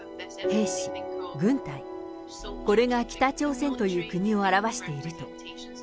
兵士、軍隊、これが北朝鮮という国を表していると。